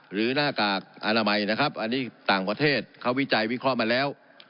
หน้ากากอนามัยนะครับอันนี้ต่างประเทศเขาวิจัยวิเคราะห์มาแล้ว